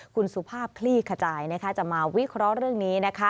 คุณสุภาพคลี่ขจายจะมาวิเคราะห์เรื่องนี้